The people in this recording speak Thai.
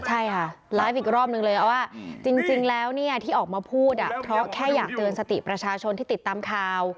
ใช่ค่ะไลฟ์อีกรอบนึงเลยว่าจริงแล้วเนี่ยที่ออกมาพูดเพราะแค่อยากเตือนสติประชาชนที่ติดตามข่าว